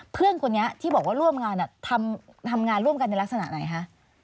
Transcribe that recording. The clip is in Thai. เพื่อนคนนี้ที่บอกว่าร่วมงานทำงานร่วมกันในลักษณะไหนคะ